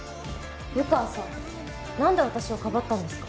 湯川さん何で私をかばったんですか？